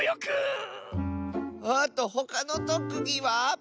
あとほかのとくぎは？